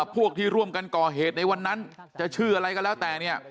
พวกที่ร่วมกันก่อเหตุในวันนั้นจะชื่ออะไรก็แล้วแต่เนี่ย